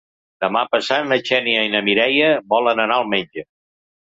Demà passat na Xènia i na Mireia volen anar al metge.